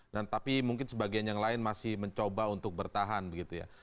dan tapi mungkin sebagian yang lain masih mencoba untuk bertahan begitu ya